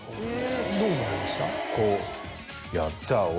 どう思われました？